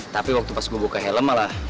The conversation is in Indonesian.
tapi waktu pas mau buka helm malah